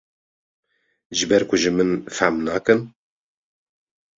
ji ber ku ji min fehm nakin.